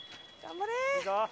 頑張れ！